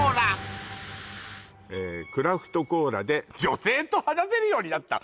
えっ「クラフトコーラで女性と話せるようになった」！？